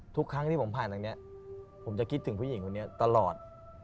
ทุกครั้งที่ผมผ่านทางนี้ผมจะคิดถึงผู้หญิงคนนี้ตลอด